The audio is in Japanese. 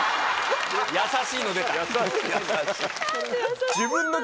優しいの出た。